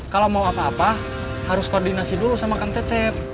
kalau mau apa apa harus koordinasi dulu sama kang tetep